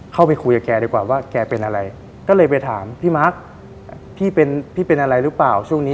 เข้าไปคุยกับแกดีกว่าแกเป็นอะไร